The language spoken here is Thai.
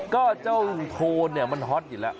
ก็เจ้าโทนเนี่ยมันฮอตอยู่แล้ว